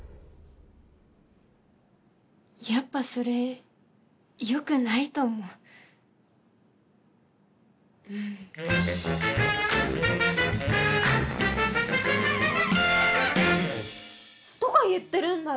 やっぱそれよくないと思う。とか言ってるんだよ！